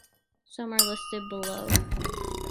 Some are listed below.